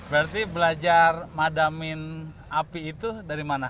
berarti belajar madamin api itu dari mana